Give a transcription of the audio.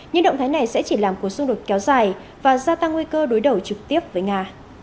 những động thái này sẽ chỉ làm cuộc xung đột kéo dài và gia tăng nguy cơ đối đầu trực tiếp với nga